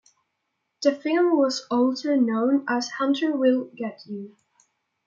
The film was also known as Hunter Will Get You.